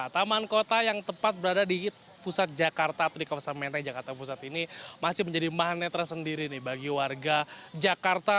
taman kota yang tepat berada di pusat jakarta atau di kawasan menteng jakarta pusat ini masih menjadi magnet tersendiri bagi warga jakarta